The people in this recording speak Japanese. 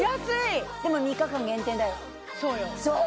でも３日間限定だよそうよそう！